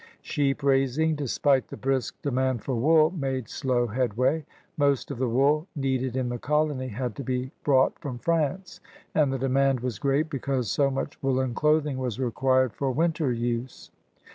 Sheep raising, despite the brisk demand for wool, made slow headway. Most of the wool needed in the colony had to be brought from France, and the demand was great because so much woolen clothing was required for winter use.